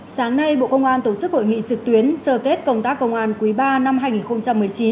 sáng nay bộ công an tổ chức hội nghị trực tuyến sơ kết công tác công an quý ba năm hai nghìn một mươi chín